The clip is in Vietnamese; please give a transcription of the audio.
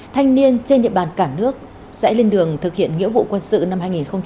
thanh niên trên địa bàn cả nước sẽ lên đường thực hiện nghĩa vụ quân sự năm hai nghìn hai mươi